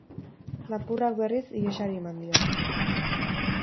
Lapurrak, berriz, ihesari eman dio.